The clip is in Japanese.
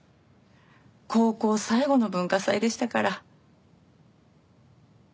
高校最後の文化祭でしたから。